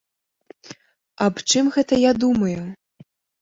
Аб чым гэта я думаю?